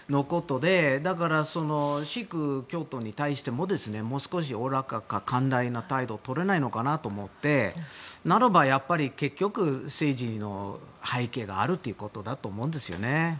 だから、シーク教徒に対してももう少し寛大な態度をとれないのかなと思っていて結局、政治の背景があるということだと思うんですよね。